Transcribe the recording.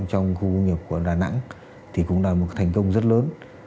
trong khu công nghiệp của đà nẵng thì cũng là một thành công rất lớn